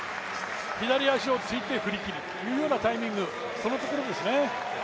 左足をついて振り切るというようなタイミングですね。